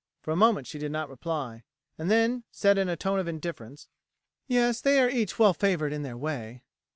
For a moment she did not reply, and then said in a tone of indifference: "Yes, they are each well favoured in their way."